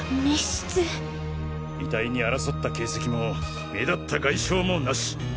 遺体に争った形跡も目立った外傷もなし。